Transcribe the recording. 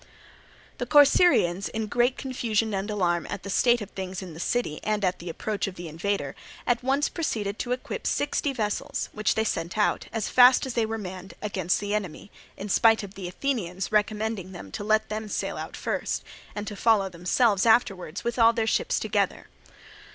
The Corcyraeans in great confusion and alarm at the state of things in the city and at the approach of the invader, at once proceeded to equip sixty vessels, which they sent out, as fast as they were manned, against the enemy, in spite of the Athenians recommending them to let them sail out first, and to follow themselves afterwards with all their ships together.